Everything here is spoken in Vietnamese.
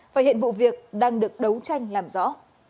và hiện vụ việc đang được đấu tranh làm rõ